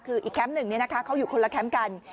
คืออีกแคมป์หนึ่งเขาอยู่คนละแคมป์กัน